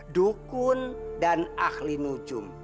dukun dan ahli nujum